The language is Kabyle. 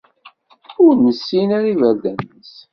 Ur nessin ara iberdan-is.